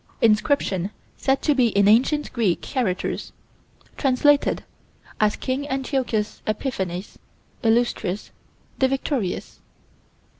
Inscription said to be in ancient Greek characters: translated as "King Antiochus Epiphanes (Illustrious) the Victorius."